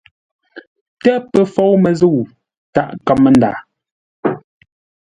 Tə́ pə FOUMƏZƏU tâʼ kámə́nda.